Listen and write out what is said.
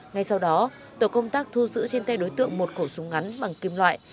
ngay sau đó tổ công tác thu giữ trên tay đối tượng một khẩu súng ngắn bằng kim loại